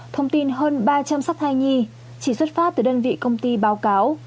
thông tin hơn ba trăm linh sắc thai nhi chỉ xuất phát từ đơn vị công ty báo cáo